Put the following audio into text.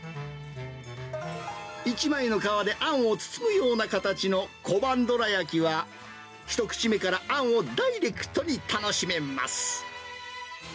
１枚の皮であんを包むような形の小判どらやきは、一口目からあんをダイレクトに楽しめます。